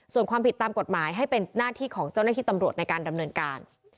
ส่วนความผิดตามกฎหมายให้เป็นหน้าที่ของเจ้าหน้าที่ตำรวจในการดำเนินการ